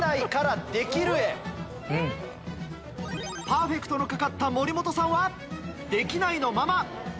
パーフェクトのかかった森本さんは「できない」のまま！